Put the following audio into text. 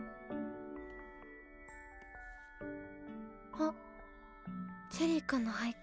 あチェリーくんの俳句。